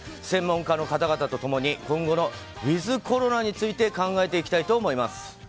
専門家の方々と共に今後のウィズコロナについて考えていきたいと思います。